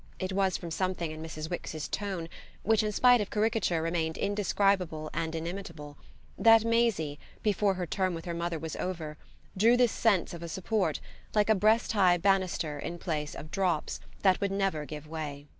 It was from something in Mrs. Wix's tone, which in spite of caricature remained indescribable and inimitable, that Maisie, before her term with her mother was over, drew this sense of a support, like a breast high banister in a place of "drops," that would never give way.